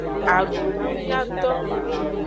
Adungunyato.